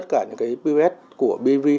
thì tất cả những cái pos của bv